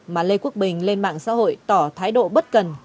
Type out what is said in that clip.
mà lê quốc bình lên mạng xã hội tỏ thái độ bất cần